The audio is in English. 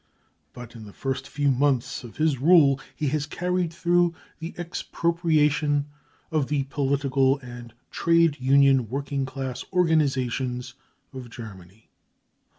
But in the first few months of his rule he has carried through the expropriation of the political and trade union working class organisations of Germany.